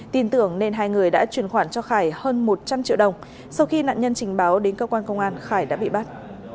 tin tưởng nên hai người đã chuyển khoản cho khải hơn một trăm linh triệu đồng sau khi nạn nhân trình báo đến cơ quan công an khải đã bị bắt